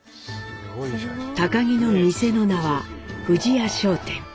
儀の店の名は富士屋商店。